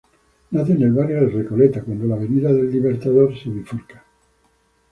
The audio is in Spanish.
Nace en el barrio de Recoleta, cuando la Avenida del Libertador se bifurca.